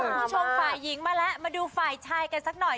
คุณผู้ชมฝ่ายหญิงมาแล้วมาดูฝ่ายชายกันสักหน่อย